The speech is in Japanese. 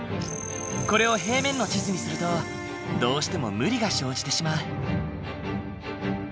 これを平面の地図にするとどうしても無理が生じてしまう。